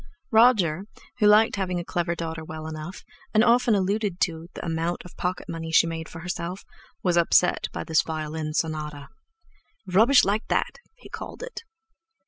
Roger, who liked having a clever daughter well enough, and often alluded to the amount of pocket money she made for herself, was upset by this violin sonata. "Rubbish like that!" he called it.